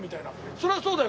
そりゃそうだよ。